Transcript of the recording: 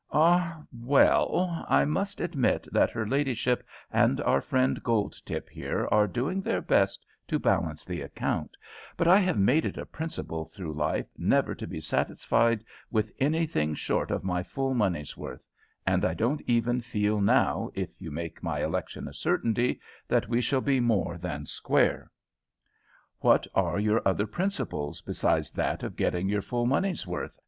"Ah, well, I must admit that her ladyship and our friend Goldtip here are doing their best to balance the account; but I have made it a principle through life never to be satisfied with anything short of my full money's worth; and I don't even feel now, if you make my election a certainty, that we shall be more than square." "What are your other principles besides that of getting your full money's worth?"